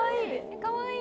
かわいい。